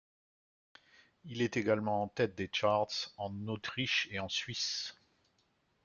Il est également en tête des charts en Autriche et en Suisse.